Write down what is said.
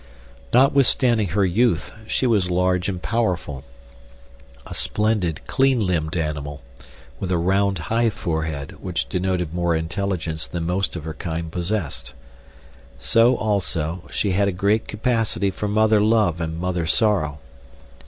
Notwithstanding her youth, she was large and powerful—a splendid, clean limbed animal, with a round, high forehead, which denoted more intelligence than most of her kind possessed. So, also, she had a great capacity for mother love and mother sorrow.